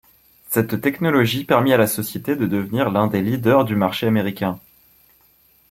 Cette technologie permit à la société de devenir l'un des leaders du marché américain.